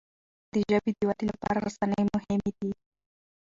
د ژبي د ودې لپاره رسنی مهمي دي.